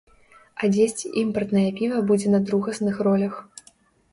А дзесьці імпартнае піва будзе на другасных ролях.